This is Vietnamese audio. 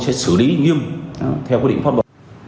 sẽ xử lý nghiêm theo quy định pháp luật